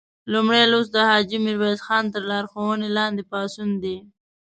لومړی لوست د حاجي میرویس خان تر لارښوونې لاندې پاڅون دی.